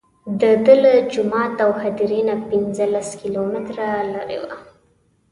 دده له جومات او هدیرې نه پنځه لس کیلومتره لرې وه.